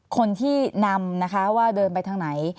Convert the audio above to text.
คนที่นำนะคะว่าเดินไปทางไหน